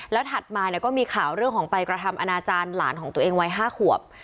แล้วถัดมาเนี่ยก็มีข่าวเรื่องของไปกระทำอนาจารย์หลานของตัวเองวัย๕ขวบ